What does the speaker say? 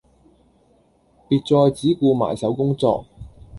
別再只顧埋首工作